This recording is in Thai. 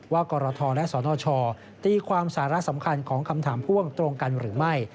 กรทและสนชตีความสาระสำคัญของคำถามพ่วงตรงกันหรือไม่